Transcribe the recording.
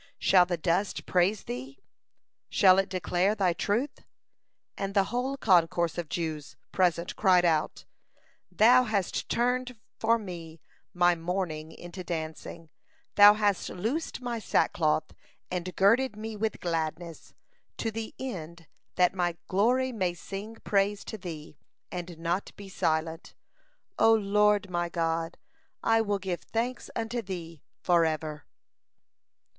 Shall the dust praise Thee? Shall it declare Thy truth?" and the whole concourse of Jews present cried out: "Thou hast turned for me my mourning into dancing; Thou hast loosed my sackcloth, and girded me with gladness, to the end that my glory may sing praise to Thee, and not be silent. O Lord my God, I will give thanks unto Thee forever."